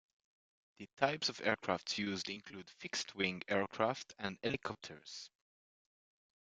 The types of aircraft used include fixed-wing aircraft and helicopters.